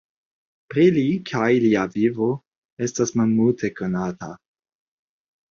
Pri li kaj lia vivo estas malmulte konata.